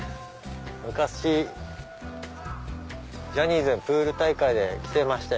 昔ジャニーズのプール大会で来てましたよ。